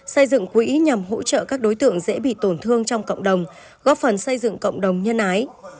xây dựng quỹ nhằm hỗ trợ các đối tượng dễ bị tổn thương trong cộng đồng góp phần xây dựng cộng đồng nhân ái